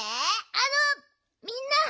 あのみんな。